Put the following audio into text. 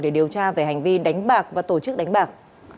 để điều tra về hành vi đánh bạc và tổ chức đánh bạc